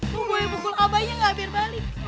kok gue yang bukul abahnya gak habis balik